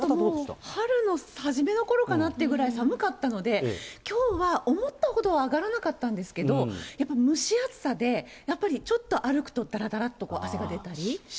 春の初めのころかなっていうぐらい寒かったので、きょうは思ったほど上がらなかったんですけど、やっぱり蒸し暑さで、やっぱりちょっと歩くと、だらだらっと汗が出たり。